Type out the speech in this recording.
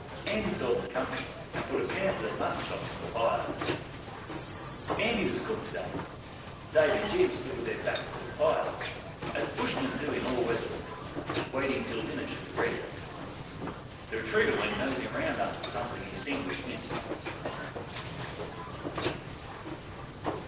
Andy saw them coming, and put a panful of mutton chops on the fire. Andy was cook to day; Dave and Jim stood with their backs to the fire, as Bushmen do in all weathers, waiting till dinner should be ready. The retriever went nosing round after something he seemed to have missed.